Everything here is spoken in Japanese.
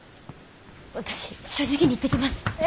私正直に言ってきます！